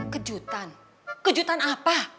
kejutan kejutan apa